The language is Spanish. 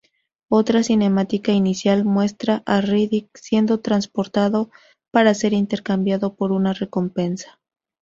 Otra cinemática inicial muestra a Riddick siendo transportado para ser intercambiado por una recompensa.